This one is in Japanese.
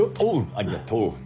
ありがとう！